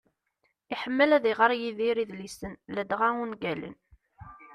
Iḥemmel ad iɣer Yidir idlisen, ladɣa ungalen.